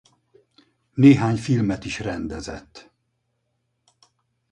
Néhány filmet is rendezett.